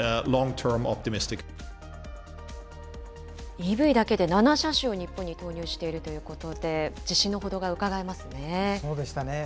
ＥＶだけで７車種を日本に投入しているということで、そうでしたね。